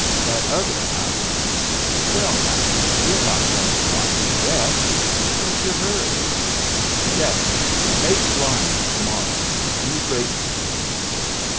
"That other, eh? Well, now, you're not going to blind them yet? What's your hurry?" "Yes. Make blind to morrow. Me great chief!"